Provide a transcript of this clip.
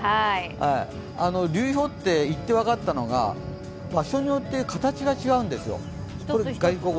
流氷って、行って分かったのが場所によって形が違うんですよ。